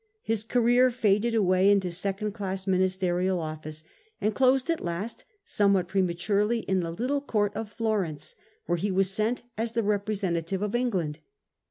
His career faded away into second class ministerial office, and closed at last, somewhat prematurely, in the little court of Florence, where he was sent as the representative of England.